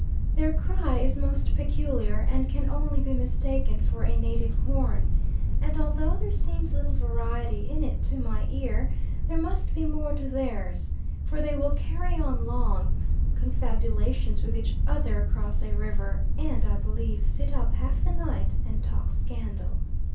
Their cry is most peculiar and can only be mistaken for a native horn; and although there seems little variety in it to my ear, there must be more to theirs, for they will carry on long confabulations with each other across a river, and, I believe, sit up half the night and talk scandal.